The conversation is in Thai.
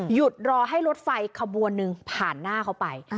หยุดรอให้รถไฟขบวนหนึ่งผ่านหน้าเขาไป